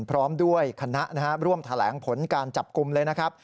พร้อมด้วยคณะร่วมแถลงผลการจับกลุ่มเลยนะครับ